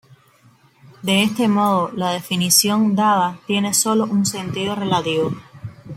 De este modo, la definición dada tiene sólo un sentido relativo.